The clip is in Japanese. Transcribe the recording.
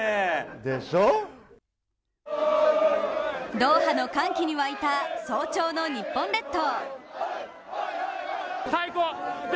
ドーハの歓喜に沸いた早朝の日本列島。